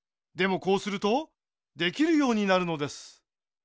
こうするとできるようになるのです。